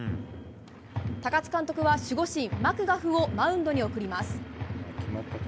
高津監督は守護神マクガフをマウンドに送ります。